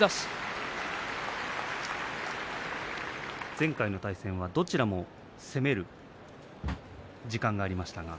前回の対戦はどちらも攻める時間がありましたが。